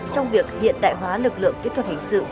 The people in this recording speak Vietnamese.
trong việc hiện đại hóa lực lượng kỹ thuật hình sự